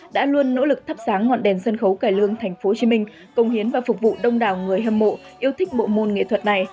đã luôn nỗ lực thắp sáng ngọn đèn sân khấu cải lương tp hcm công hiến và phục vụ đông đảo người hâm mộ yêu thích bộ môn nghệ thuật này